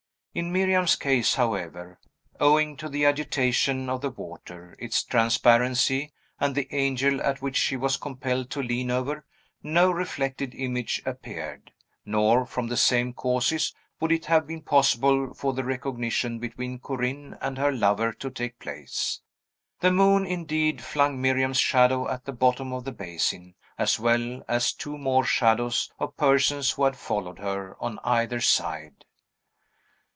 In Miriam's case, however (owing to the agitation of the water, its transparency, and the angle at which she was compelled to lean over), no reflected image appeared; nor, from the same causes, would it have been possible for the recognition between Corinne and her lover to take place. The moon, indeed, flung Miriam's shadow at the bottom of the basin, as well as two more shadows of persons who had followed her, on either side.